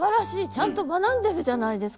ちゃんと学んでるじゃないですか！